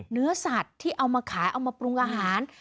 เนื้อสัตว์ที่เอามาขายเอามาปรุงอาหาร